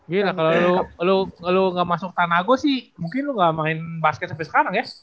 gila kalau lu gak masuk tanago sih mungkin lu gak main basket sampai sekarang ya